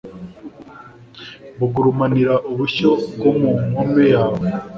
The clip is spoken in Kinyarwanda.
bugurumanira ubushyo bwo mu nkome yawe?